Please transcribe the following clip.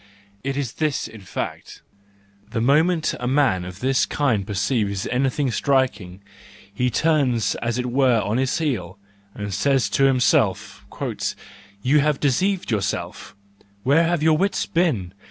It is this in fact: the moment a man of this kind perceives anything striking, he turns as it were on his heel, and says to himself: "You have deceived yourself! Where have your wits been!